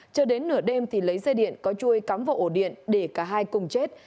chờ đến nửa đêm thì lấy dây điện có chui cắm vào ổ điện để cả hai cùng chết